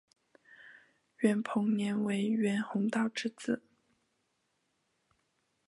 袁彭年为袁宏道之子。